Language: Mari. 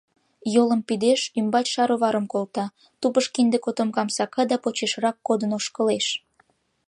Йолым пидеш, ӱмбач шароварым колта, тупыш кинде котомкам сака да почешрак кодын ошкылеш.